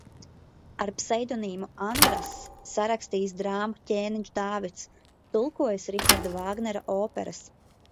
"Ar pseidonīmu Andrass sarakstījis drāmu "Ķēniņš Dāvids", tulkojis Riharda Vāgnera operas."